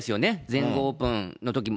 全豪オープンのときも。